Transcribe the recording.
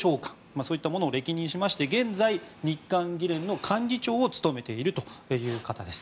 そういったものを歴任しまして現在、日韓議連の幹事長を務めているという方です。